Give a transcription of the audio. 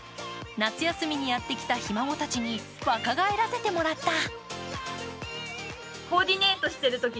夏休みにやってきたひ孫たちに若返らせてもらった。